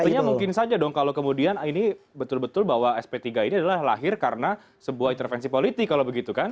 artinya mungkin saja dong kalau kemudian ini betul betul bahwa sp tiga ini adalah lahir karena sebuah intervensi politik kalau begitu kan